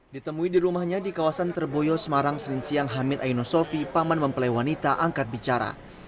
ditemui di rumahnya di kawasan terboyo semarang senin siang hamid aino sofi paman mempelai wanita angkat bicara